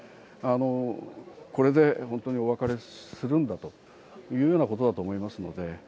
これで本当にお別れするんだというようなことだと思いますので。